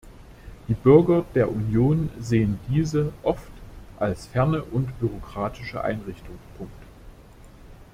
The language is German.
Die Bürger der Union sehen diese oft als ferne und bürokratische Einrichtung.